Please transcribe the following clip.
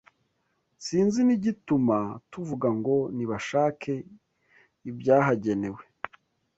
Sinzi n’igituma tuvuga ngo nibashake ibyahagenewe